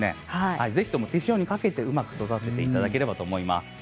ぜひとも手塩にかけてうまく育てていただければと思います。